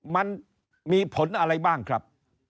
มันมีผลอะไรบ้างครับ